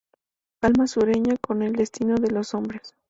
Alma sueña con el destino de los hombres.